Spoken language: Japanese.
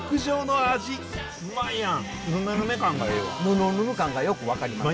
ヌルヌル感がよく分かります。